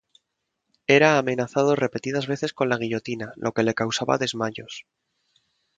Era amenazado repetidas veces con la guillotina, lo que le causaba desmayos.